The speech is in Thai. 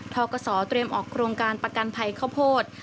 กศเตรียมออกโครงการประกันภัยข้าวโพด